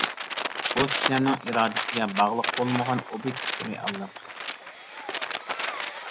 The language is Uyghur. بۇ، كىشىلەرنىڭ ئىرادىسىگە باغلىق بولمىغان ئوبيېكتىپ رېئاللىق.